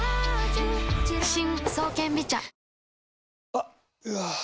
あっ、うわー。